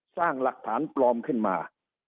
สร้างหลักฐานปลอมขึ้นมา